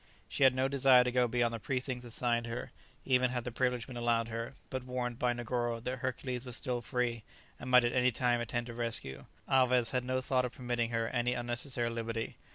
She had no desire to go beyond the precincts assigned her, even had the privilege been allowed her; but warned by Negoro that Hercules was still free, and might at any time attempt a rescue, Alvez had no thought of permitting her any unnecessary liberty.